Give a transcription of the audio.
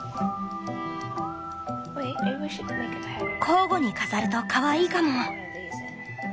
交互に飾るとかわいいかも。